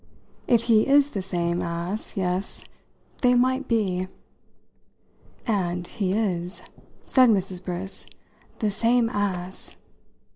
If he is the same ass yes they might be." "And he is," said Mrs. Briss, "the same ass!"